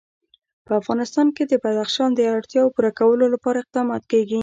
په افغانستان کې د بدخشان د اړتیاوو پوره کولو لپاره اقدامات کېږي.